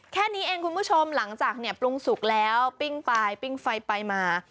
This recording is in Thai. แค่นี้เองคุณผู้ชมหลังจากเนี่ยปรุงสุกแล้วปิ้งไปปิ้งไฟไปมา